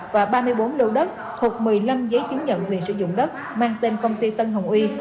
và ba mươi bốn lô đất thuộc một mươi năm giấy chứng nhận quyền sử dụng đất mang tên công ty tân hồng uy